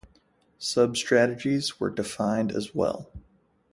Sub-strategies were defined as well.